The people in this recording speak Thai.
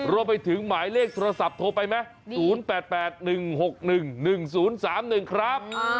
รวมไปถึงหมายเลขโทรศัพท์โทรไปไหม๐๘๘๑๖๑๑๐๓๑ครับ